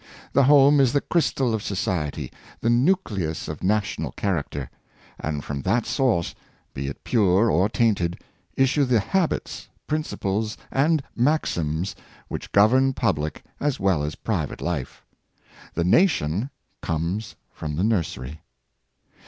The home is the crystal of society — the nucleus of national character; and from that source, be it pure or tainted, issue the habits, principles, and maxims which govern public as well as private life. The nation comes from the nursery.